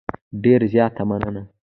ډېره زیاته مننه .